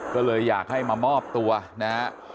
ก็เลยอยากให้มามอบตัวนะฮะ